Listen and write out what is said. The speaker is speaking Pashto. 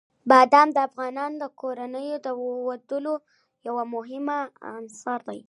بادام د افغان کورنیو د دودونو یو مهم عنصر دی.